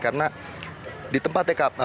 karena di tempat tkp